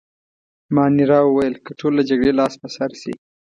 مانیرا وویل: که ټول له جګړې لاس په سر شي.